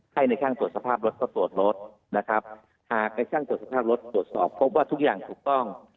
ให้ในขั้นไปสอดสอบบองว่าทุกอย่างถูกต้อง